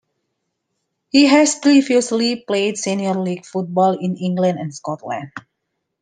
He has previously played senior league football in England and Scotland.